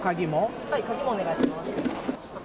鍵もお願いします。